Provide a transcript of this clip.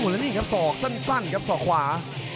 แล้วนี่ครับศอกสั้นครับศอกขวา